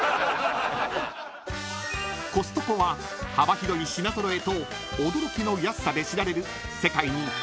［コストコは幅広い品揃えと驚きの安さで知られる］